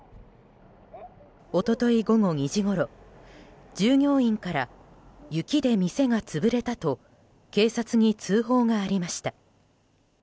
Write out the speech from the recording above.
一昨日午後２時ごろ従業員から雪で店が潰れたと警察に通報がありました。